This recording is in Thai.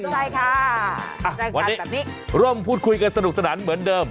ใช่ค่ะวันนี้ร่วมพูดคุยกันสนุกสนานเหมือนเดิม